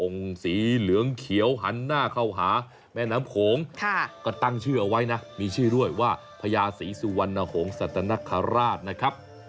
สีเหลืองเขียวหันหน้าเข้าหาแม่น้ำโขงก็ตั้งชื่อเอาไว้นะมีชื่อด้วยว่าพญาศรีสุวรรณหงษัตนคราชนะครับ